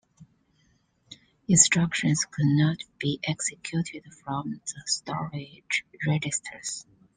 Instructions could not be executed from the storage registers.